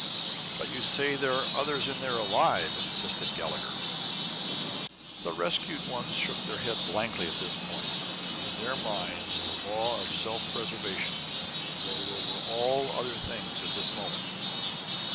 "But you say there are others in there alive!" insisted Gallagher. The rescued ones shook their heads blankly at this; in their minds the law of self preservation rode over all other things at this moment.